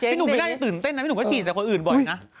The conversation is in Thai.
พี่หนูมันหน้าตื่นเต้นน่ะพี่หนูก็ฉีดเลยคนอื่นบ่อยนะ